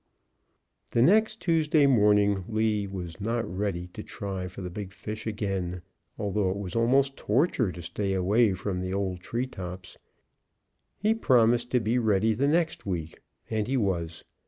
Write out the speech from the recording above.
The next Tuesday morning Lee was not ready to try for the big fish again, although it was almost torture to stay away from the old treetops. He promised to be ready the next week, and he was.